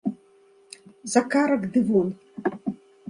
За карак ды вон.